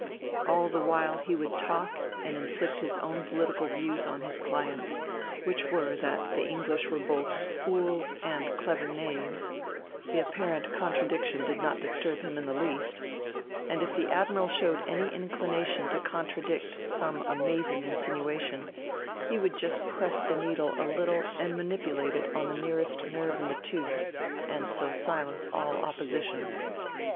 All the while he would talk and inflict his own political views on his clients, which were that the English were both fools and clever knaves : the apparent contradiction did not disturb him in the least ; and if the Admiral showed any inclination to contradict some amazing insinuation, he would just press the needle a little and manipulate it on the nearest nerve in the tooth and so silence all opposition.